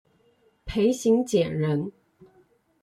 裴行俭人。